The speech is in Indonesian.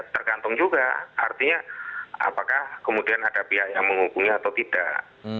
tergantung juga artinya apakah kemudian ada pihak yang menghubungi atau tidak